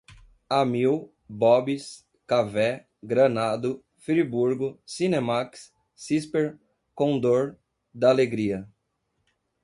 Amil, Bob's, Cavé, Granado, Friburgo, Cinemaxx, Cisper, Condor, D'Alegria